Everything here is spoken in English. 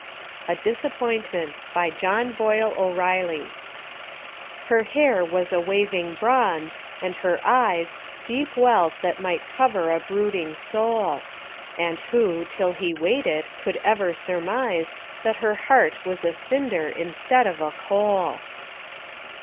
A DISAPPOINTMENT BY JOHN BOYLE O'REILLY Her hair was a waving bronze, and her eyes Deep wells that might cover a brooding soul; And who, till he weighed it, could ever surmise That her heart was a cinder instead of a coal!